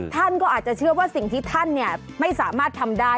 ท่านก็อาจจะเชื่อว่าสิ่งที่ท่านไม่สามารถทำได้